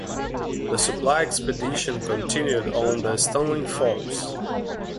The supply expedition continued on to Stanley Falls.